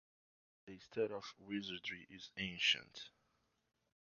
The study of wizardry is ancient.